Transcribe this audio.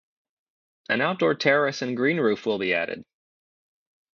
A outdoor terrace and green roof will be added.